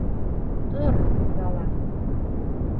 Тор, балам.